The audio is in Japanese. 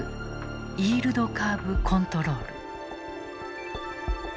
イールドカーブ・コントロール。